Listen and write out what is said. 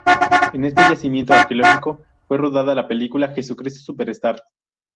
En este yacimiento arqueológico fue rodada la película Jesucristo Superstar.